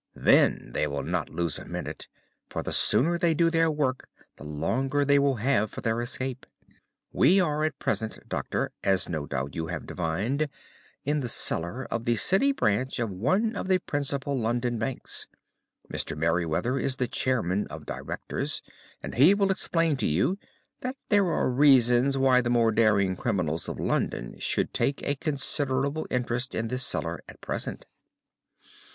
Then they will not lose a minute, for the sooner they do their work the longer time they will have for their escape. We are at present, Doctor—as no doubt you have divined—in the cellar of the City branch of one of the principal London banks. Mr. Merryweather is the chairman of directors, and he will explain to you that there are reasons why the more daring criminals of London should take a considerable interest in this cellar at present."